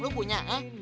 lu punya eh